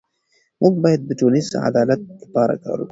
موږ باید د ټولنیز عدالت لپاره کار وکړو.